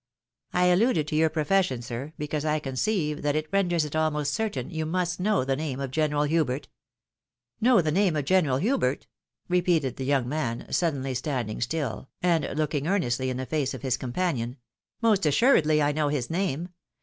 I alluded to your profession, sir, because I conceive that it renders it almost certain you must know the name of General Hubert." " Know the name of General Hubert? " repeated the young man, suddenly standing still, and looking earnestly in the face of his companion, "most assuredly I know his name.